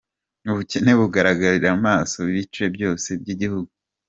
– Ubukene bugaragarira amaso mu bice byose by’igihugu,